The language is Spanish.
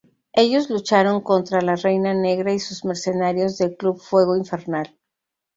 Ellos lucharon contra la Reina Negra y sus mercenarios del Club Fuego Infernal.